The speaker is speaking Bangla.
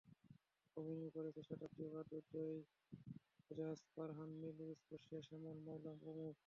অভিনয় করেছেন শতাব্দী ওয়াদুদ, জয়রাজ, ফারহানা মিলি, স্পর্শিয়া, শ্যামল মাওলা প্রমুখ।